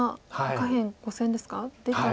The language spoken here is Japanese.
下辺５線ですか。